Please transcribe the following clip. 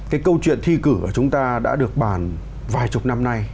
cái câu chuyện thi cử của chúng ta đã được bàn vài chục năm nay